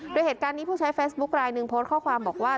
โดยเหตุการณ์นี้ผู้ใช้เฟซบุ๊คลายหนึ่งโพสต์ข้อความบอกว่า